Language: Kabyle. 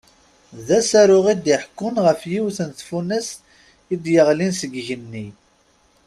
D asaru i d-iḥekkun ɣef yiwet n tfunast i d-yeɣlin seg igenni.